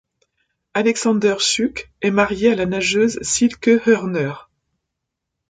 Alexander Schuck est marié à la nageuse Silke Hörner.